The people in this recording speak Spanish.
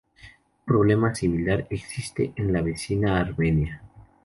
Un problema similar existe en la vecina Armenia.